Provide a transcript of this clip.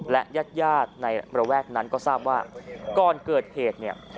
และญาติญาติในระแวกนั้นก็ทราบว่าก่อนเกิดเหตุเนี่ย